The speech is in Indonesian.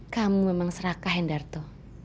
kamu memang serakah hendarto